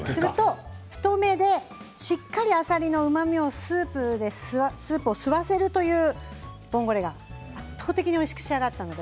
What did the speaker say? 太めで、しっかりとあさりのうまみスープを吸わせるボンゴレが圧倒的においしく仕上がりました。